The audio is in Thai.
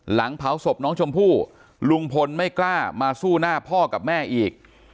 หลังเผาศพน้องชมพู่ลุงพลไม่กล้ามาสู้หน้าพ่อกับแม่อีก